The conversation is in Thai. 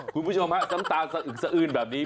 คุณผู้ชมสำตาลอึกสะอื้นแบบนี้